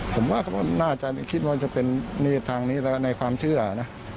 ผมว่าก็น่าจะคิดว่าจะเป็นทางนี้แล้วก็ในความเชื่อนะ